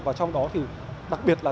và trong đó thì đặc biệt là